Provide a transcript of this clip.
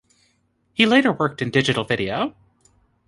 He later worked in digital video.